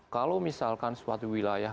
kalau misalkan suatu wilayah